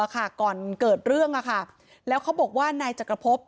ก่อนเกิดเรื่องแล้วเขาบอกว่านายจักรพบ